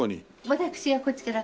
私がこっちから。